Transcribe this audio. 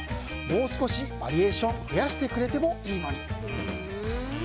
もう少しバリエーション増やしてくれてもいいのに。